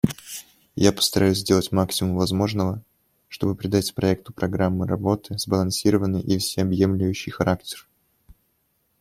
Я постараюсь сделать максимум возможного, чтобы придать проекту программы работы сбалансированный и всеобъемлющий характер.